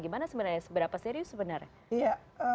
gimana sebenarnya seberapa serius sebenarnya